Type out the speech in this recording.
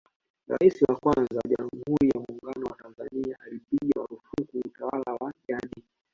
Rais wa kwanza wa Jamhuri ya Muungano wa Tanzania alipiga maarufuku utawala wa jadi